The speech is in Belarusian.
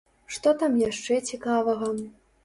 Што там яшчэ цікавага?